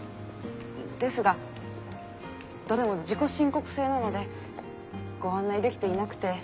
ですがどれも自己申告制なのでご案内できていなくて。